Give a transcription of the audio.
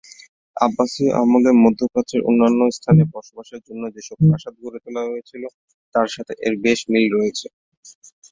আব্বাসীয় আমলে মধ্যপ্রাচ্যের অন্যান্য স্থানে বসবাসের জন্য যেসব প্রাসাদ গড়ে তোলা হয়েছিল তার সাথে এর বেশ মিল রয়েছে।